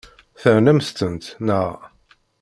Ternamt-tent, naɣ?